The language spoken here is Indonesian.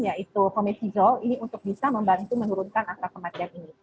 yaitu pomethizol ini untuk bisa membantu menurunkan akta kematian ini